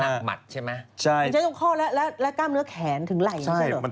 อย่างเช่นข้อและกล้ามเนื้อแขนถึงไหล่ใช่ค่ะ